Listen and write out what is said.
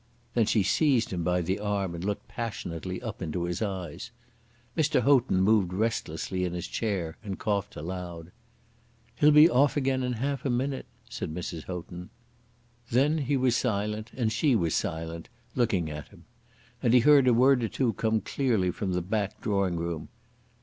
Then she seized him by the arm and looked passionately up into his eyes. Mr. Houghton moved restlessly in his chair and coughed aloud. "He'll be off again in half a moment," said Mrs. Houghton. Then he was silent, and she was silent, looking at him. And he heard a word or two come clearly from the back drawing room.